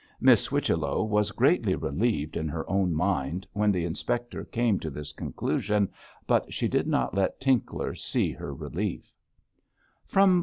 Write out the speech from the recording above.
Miss Whichello was greatly relieved in her own mind when the inspector came to this conclusion, but she did not let Tinkler see her relief.